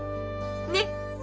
ねっ！